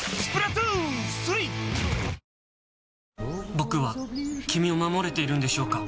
僕は君を守れているんでしょうか？